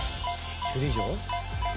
「首里城？」